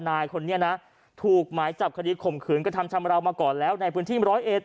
นายคนนี้นะถูกหมายจับคดีข่มขืนกระทำชำราวมาก่อนแล้วในพื้นที่ร้อยเอ็ด